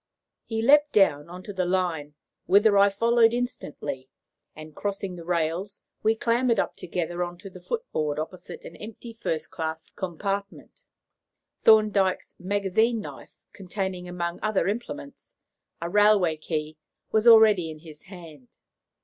He leaped down on to the line, whither I followed instantly, and, crossing the rails, we clambered up together on to the foot board opposite an empty first class compartment. Thorndyke's magazine knife, containing, among other implements, a railway key, was already in his hand.